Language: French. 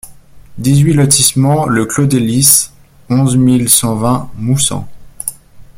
dix-huit lotissement Le Clos des Lys, onze mille cent vingt Moussan